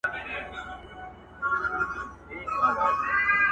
o پنډ ته مه گوره، ايمان تې گوره!